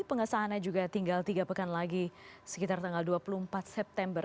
pengesahannya juga tinggal tiga pekan lagi sekitar tanggal dua puluh empat september